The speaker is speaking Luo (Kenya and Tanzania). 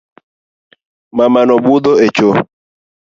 Mamano budho echo